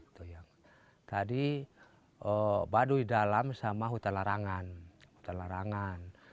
tadi baduy dalam sama hutan larangan